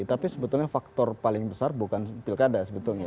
tapi sebetulnya faktor paling besar bukan pilkada sebetulnya